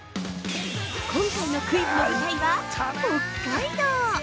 ◆今回のクイズの舞台は北海道。